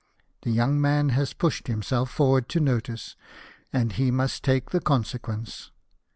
The young man has pushed himself forward to notice, and he must take the consequence.